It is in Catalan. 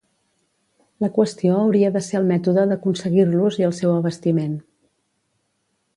La qüestió hauria de ser el mètode d'aconseguir-los i el seu abastiment.